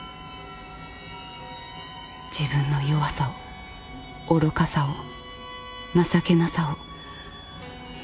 自分の弱さを愚かさを情けなさを。